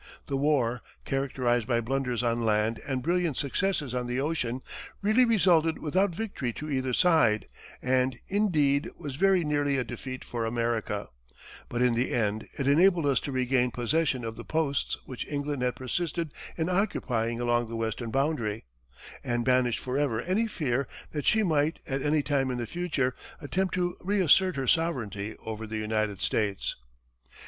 The war, characterized by blunders on land and brilliant successes on the ocean, really resulted without victory to either side, and, indeed, was very nearly a defeat for America; but in the end, it enabled us to regain possession of the posts which England had persisted in occupying along the western boundary, and banished forever any fear that she might, at any time in the future, attempt to reassert her sovereignty over the United States.